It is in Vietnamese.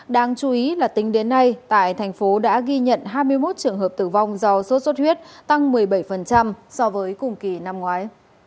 đáng chú ý là tính đến nay tại thành phố đã ghi nhận hai mươi một trường hợp tử vong do sốt xuất huyết tăng một mươi bảy so với cùng kỳ năm ngoái